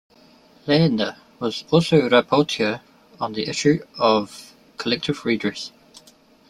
Lehne was also rapporteur on the issue of "Collective Redress".